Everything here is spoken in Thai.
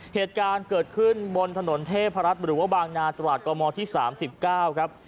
เหตุการณ์เกิดขึ้นบนถนนเทพรัฐหรือว่าบางนาตราดกมที่๓๙ครับ